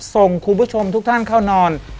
ส่งคุณผู้ชมทุกท่านเข้านอน